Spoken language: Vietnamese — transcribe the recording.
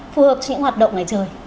phù hợp cho những hoạt động ngày trời